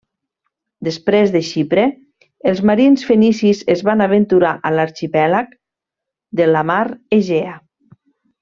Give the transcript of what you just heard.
Després de Xipre, els marins fenicis es van aventurar a l'arxipèlag de la mar Egea.